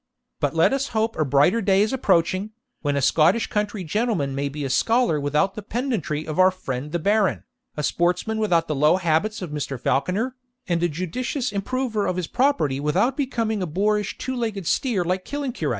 But let us hope a brighter day is approaching, when a Scottish country gentleman may be a scholar without the pedantry of our friend the Baron, a sportsman without the low habits of Mr. Falconer, and a judicious improver of his property without becoming a boorish two legged steer like Killancureit.'